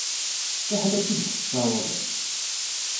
Fiḥel ad tt-id-tessawweḍ.